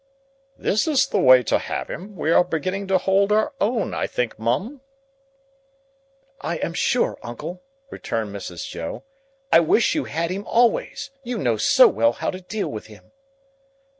("This is the way to have him! We are beginning to hold our own, I think, Mum?") "I am sure, uncle," returned Mrs. Joe, "I wish you had him always; you know so well how to deal with him."